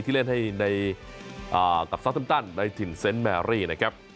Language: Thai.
ที่เล่นให้ในกับซอสซ้ำตั้งในถิ่นเซนเมรี่นะครับ